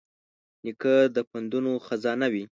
نیکه د پندونو خزانه وي.